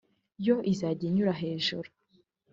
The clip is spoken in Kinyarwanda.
yo izajya izinyura hejuru